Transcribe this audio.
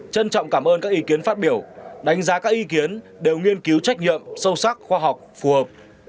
trân trọng cảm ơn các ý kiến phát biểu đánh giá các ý kiến đều nghiên cứu trách nhiệm sâu sắc khoa học phù hợp